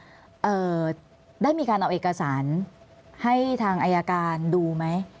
เอ่อได้มีการเอาเอกสารให้ทางอายการดูไหม